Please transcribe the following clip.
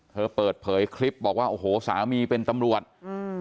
เปิดเผยคลิปบอกว่าโอ้โหสามีเป็นตำรวจอืม